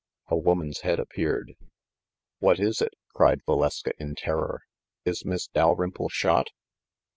A woman's head appeared. "What is it?" cried Valeska in terror. "Is Miss Dalrymple shot